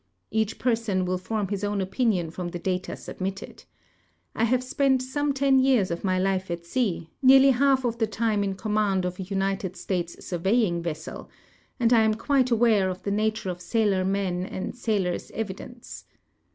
Each person Avill form his OAvn opinion from the data submitted. I have spent some ten years of my life at sea, nearly half of the time in command of a United States surveying A^essel, and I am quite aAvare of the nature of sailor men and sailors' evidence.